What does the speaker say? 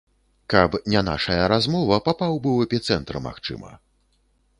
Каб не нашая размова, папаў бы ў эпіцэнтр магчыма.